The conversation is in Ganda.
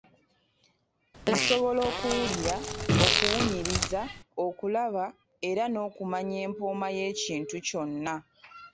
Nsobola okuwulira, okuwunyiriza, okulaba era n'okumanya empooma y'ekintu kyonna.